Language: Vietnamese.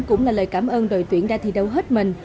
cũng là lời cảm ơn đội tuyển đã thi đấu hết mình